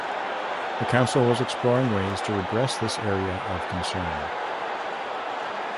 The council was exploring ways to redress this area of concern.